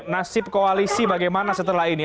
nasib koalisi bagaimana setelah ini